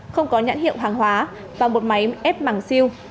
không có nhãn hiệu hàng hóa và một máy ép bằng siêu